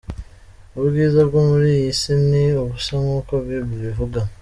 Ubwiza bwo muli iyi si, ni ubusa nkuko Bible ivuga.